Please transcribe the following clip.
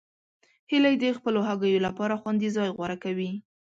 هیلۍ د خپلو هګیو لپاره خوندي ځای غوره کوي